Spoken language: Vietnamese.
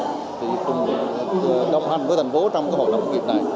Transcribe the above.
thì cùng đồng hành với thành phố trong hội lập nghiệp này